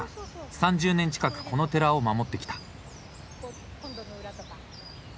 ３０年近くこの寺を守ってきた。